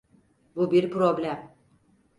Bu bir problem.